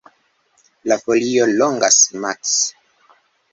La folio longas maks.